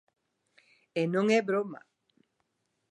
E non é broma.